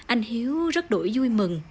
anh hiếu rất đổi vui mừng